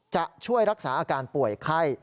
จะช่วยรักษาอาการป่วยไข้